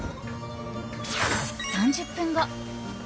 ３０分後。